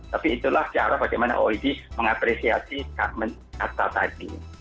tapi itulah cara bagaimana oed mengapresiasi kata tadi